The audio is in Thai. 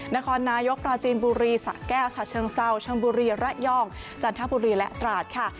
นครนายกปราจีนบุรีสะแก้วฉะเชิงเศร้าชนบุรีระยองจันทบุรีและตราดค่ะ